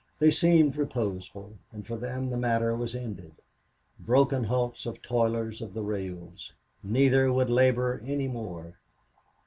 They seemed reposeful, and for them the matter was ended. Broken hulks of toilers of the rails! Neither would labor any more.